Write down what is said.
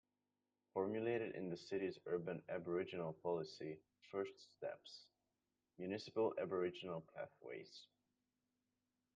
Formulated the city's urban Aboriginal Policy, First Steps: Municipal Aboriginal Pathways.